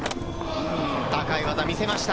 高い技を見せました。